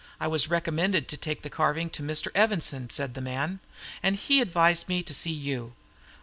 I was recommended to take the carving to Mr. Evanson," said the man, "and he advised me to see you.